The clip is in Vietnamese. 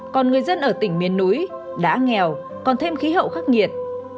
còn người dân ở tỉnh miền núi đã nghèo còn thêm khí hậu khắc nghiệt